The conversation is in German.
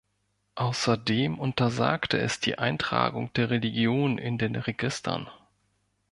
Außerdem untersagte es die Eintragung der Religion in den Registern.